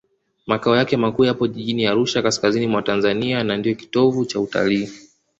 makao yake makuu yapo jijini arusha kaskazini mwa tanzania na ndiyo kitovu cha utalii